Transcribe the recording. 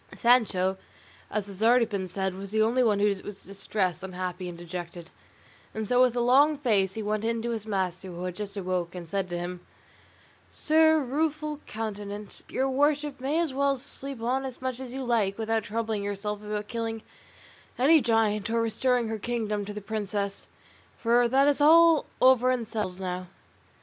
Sancho, as has been already said, was the only one who was distressed, unhappy, and dejected; and so with a long face he went in to his master, who had just awoke, and said to him: "Sir Rueful Countenance, your worship may as well sleep on as much as you like, without troubling yourself about killing any giant or restoring her kingdom to the princess; for that is all over and settled now."